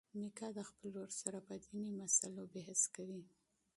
میکا د خپل ورور سره په دیني مسلو بحث کوي.